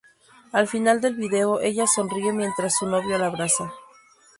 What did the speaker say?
Al final del vídeo ella sonríe mientras su novio la abraza.